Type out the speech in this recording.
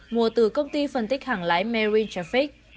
mùa từ công ty phân tích hàng lái marine traffic